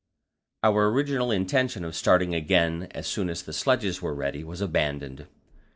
Our original intention of starting again as soon as the sledges were ready was abandoned.